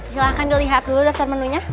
silahkan dia lihat dulu dasar menunya